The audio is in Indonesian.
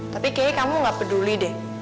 tapi kayaknya kamu gak peduli deh